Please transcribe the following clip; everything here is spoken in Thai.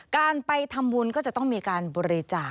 การไปทำบุญก็จะต้องมีการบริจาค